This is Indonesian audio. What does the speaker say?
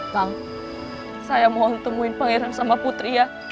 bang saya mohon temuin pangeran sama putri ya